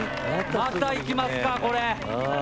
また行きますかこれ。